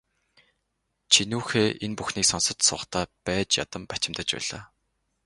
Чинүүхэй энэ бүхнийг сонсож суухдаа байж ядан бачимдаж байлаа.